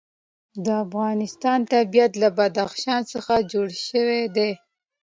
د افغانستان طبیعت له بدخشان څخه جوړ شوی دی.